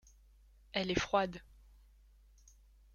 Elle est froide.